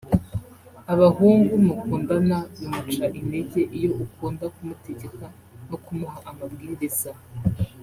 Abahungu mukundana bimuca intege iyo ukunda kumutegeka no kumuha amabwiriza